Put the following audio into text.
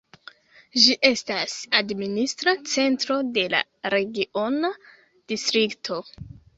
Ĝi estas administra centro de la regiona distrikto.